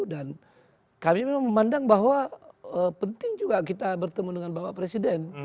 dan kami memang memandang bahwa penting juga kita bertemu dengan bapak presiden